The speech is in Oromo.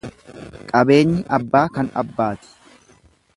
Qabeenyi abbaa kan abbaati.